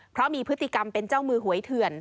เพราะมีพฤติกรรมเป็นเจ้ามือหวยเถื่อน